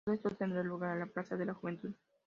Todo esto, tendrá lugar en la Plaza de la Juventud.